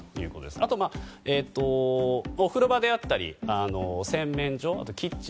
あと、お風呂場であったり洗面所、キッチン。